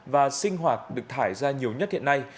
và sinh hoạt được thải ra nhiều nhất hiện nay